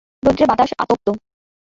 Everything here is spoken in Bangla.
রৌদ্রে বাতাস আতপ্ত।